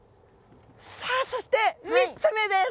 さあそして３つ目です！